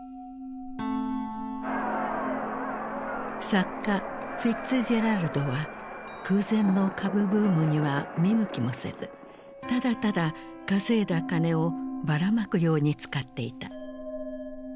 作家フィッツジェラルドは空前の株ブームには見向きもせずただただ稼いだ金をばらまくように使っていた。